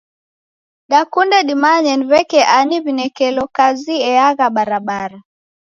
Dakunde dimanye ni w'eke ani w'inekelo kazi eagha barabara.